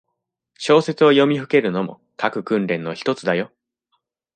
小説を読みふけるのも、書く訓練のひとつだよ。